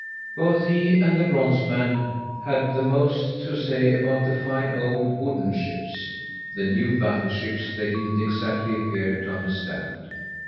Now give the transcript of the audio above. Both he and the bronze man had the most to say about the fine old wooden ships. The new battleships they didn't exactly appear to understand.